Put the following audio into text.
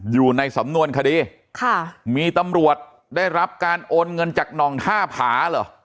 อยู่ในสำนวนคดีค่ะมีตำรวจได้รับการโอนเงินจากหน่องท่าผาเหรอ